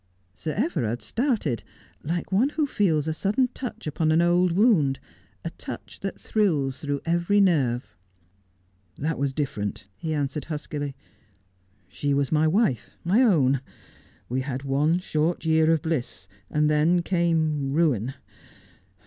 Sir Everard started, like one who feels a sudden touch upon an old wound — a touch that thrills through every nerve. 'That was different,' he answered huskily. 'She was my wife, my own. We had one short year of bliss, and then came — ruin.